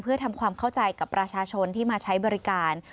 เพื่อทำความเข้าใจกับประชาชนที่มาใช้บริการ